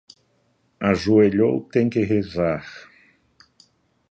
Ajoelhou tem que rezar